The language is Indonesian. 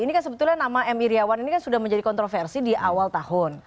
ini kan sebetulnya nama m iryawan ini kan sudah menjadi kontroversi di awal tahun